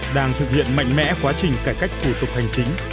đang thực hiện mạnh mẽ quá trình cải cách thủ tục hành chính